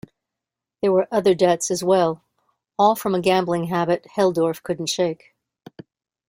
There were other debts as well, all from a gambling habit Helldorff couldn't shake.